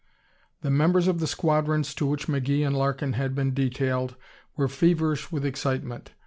The members of the squadrons to which McGee and Larkin had been detailed were feverish with excitement.